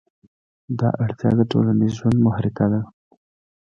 دا اړتیا د ټولنیز ژوند محرکه ده.